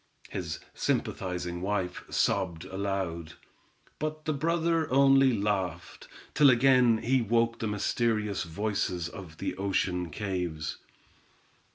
His sympathizing wife sobbed aloud, but the brother only laughed, till again he woke the mysterious voices of the ocean caves.